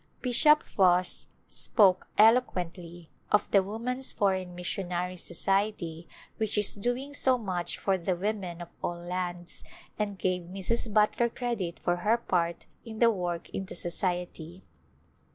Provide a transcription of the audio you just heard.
Bishop Foss spoke eloquently of the Woman's Foreign Mis sionary Society which is doing so much for the women of all lands, and gave Mrs. Butler credit for her part in the work in the Society.